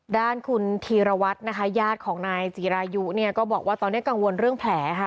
ด้านคุณธีรวัตรนะคะญาติของนายจีรายุเนี่ยก็บอกว่าตอนนี้กังวลเรื่องแผลค่ะ